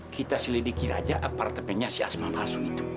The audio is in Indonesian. kita sila dikira aja apartemennya si asma langsung itu